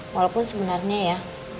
walaupun sebenarnya ya